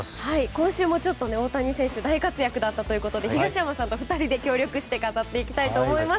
今週も大谷選手大活躍だったということで東山さんと２人で協力して飾っていきたいと思います。